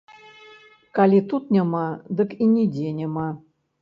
Калі тут няма, дык і нідзе няма.